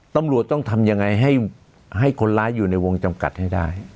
ตำรวจต้องทำยังไงให้คนร้ายอยู่ในวงจำกัดให้ได้